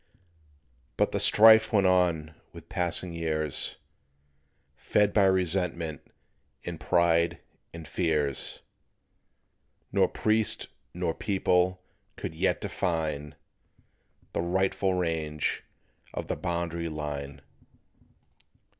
But the strife went on with passing years, Fed by resentment and pride and fears; Nor priest nor people could yet define The rightful range of the Boundary Line.